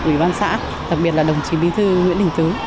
nhân xã đặc biệt là đồng chí bí thư nguyễn đình tứ